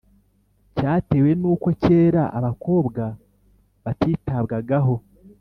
cyatewe n’uko kera abakobwa batitabwagaho